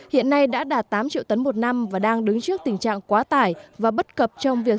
hiện nay đã đạt tám triệu tấn một năm và đang đứng trước tình trạng quá tải và bất cập trong việc